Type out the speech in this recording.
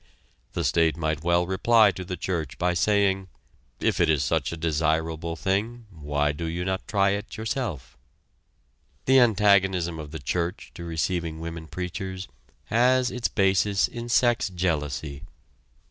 The state might well reply to the church by saying: "If it is such a desirable thing why do you not try it yourself?" The antagonism of the church to receiving women preachers has its basis in sex jealousy.